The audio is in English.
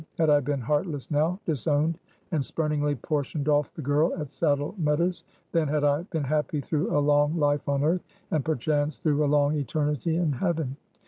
Had I been heartless now, disowned, and spurningly portioned off the girl at Saddle Meadows, then had I been happy through a long life on earth, and perchance through a long eternity in heaven!